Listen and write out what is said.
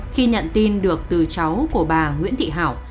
khi nhận tin được từ cháu của bà nguyễn thị hảo